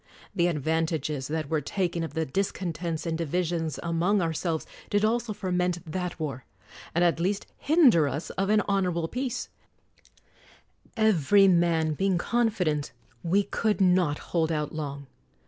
The advantages that were taken of the discon tents and divisions among ourselves did also fer ment that war, and at least hinder us of an hon orable peace ; every man being confident we could 127 THE WORLD'S FAMOUS ORATIONS not hold out long.